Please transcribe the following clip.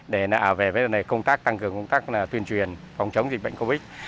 để về với công tác tăng cường công tác tuyên truyền phòng chống dịch bệnh covid một mươi chín